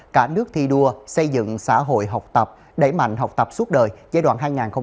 cả nước thi đua xây dựng xã hội học tập đẩy mạnh học tập suốt đời giai đoạn hai nghìn hai mươi ba hai nghìn ba mươi